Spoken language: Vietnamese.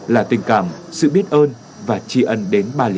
là tình cảm sự biết ơn và tri ân đến ba liệt sĩ